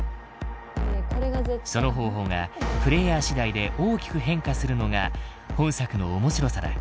その方法がプレイヤーしだいで大きく変化するのが本作のおもしろさだ。